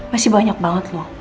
masih banyak banget loh